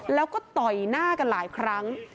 แล้วก็ต่อยหน้ากันหลายครั้ง